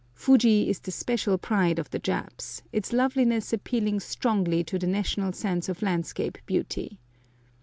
Fuji is the special pride of the Japs, its loveliness appealing strongly to the national sense of landscape beauty.